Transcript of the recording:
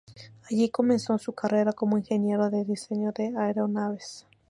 Allí comenzó su carrera como ingeniero de diseño de aeronaves.